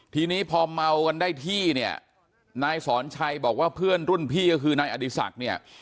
ทีนี้พอเมากันได้ที่เนี่ยนายสอนชัยบอกว่าเพื่อนรุ่นพี่ก็คือนายอดีศักดิ์เนี่ย